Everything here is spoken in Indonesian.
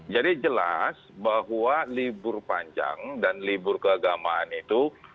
jadi jelas bahwa libur panjang dan libur keagamaan itu